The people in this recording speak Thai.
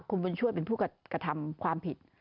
คุณบุญช่วยเป็นผู้กระทำความผิด